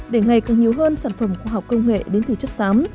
để ngày càng nhiều hơn sản phẩm khoa học công nghệ đến từ chất xám